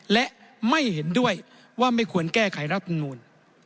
และไม่เห็นด้วยว่าไม่ควรแก้ไขรัฐมนูล